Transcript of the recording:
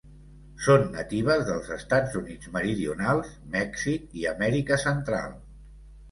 Són natives dels Estats Units meridionals, Mèxic, i Amèrica Central.